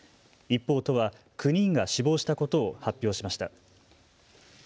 一方、都は９人が死亡したことを発表しました。